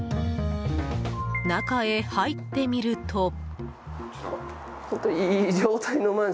中へ入ってみると。